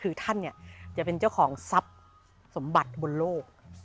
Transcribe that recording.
คือท่านเนี่ยจะเป็นเจ้าของทรัพย์สมบัติบนโลก